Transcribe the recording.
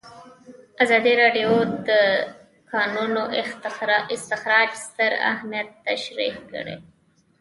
ازادي راډیو د د کانونو استخراج ستر اهميت تشریح کړی.